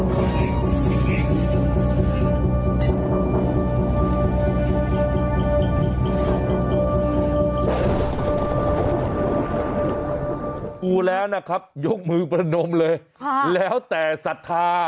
ดูแล้วนะครับยกมือประนมเลยแล้วแต่ศรัทธา